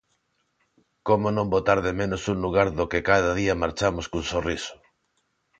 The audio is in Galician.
Como non botar de menos un lugar do que cada día marchamos cun sorriso!